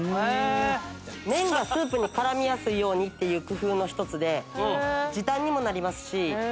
麺がスープに絡みやすいようにっていう工夫の一つで時短にもなりますし。